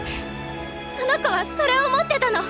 その子はそれを持ってたの。